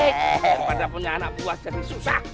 daripada punya anak buah jadi susah